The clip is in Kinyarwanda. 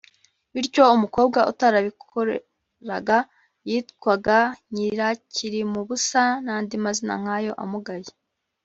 bityo umukobwa utarabikoraga yitwaga nyirakirimubusa n’andi mazina nk’ayo amugaya